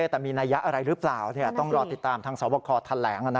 แต่มีนัยยะอะไรหรือเปล่าต้องรอติดตามทางสวบคอแถลง